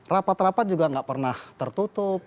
rapat rapat juga nggak pernah tertutup